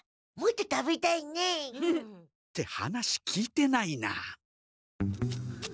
もっと食べたいね。って話聞いてないな。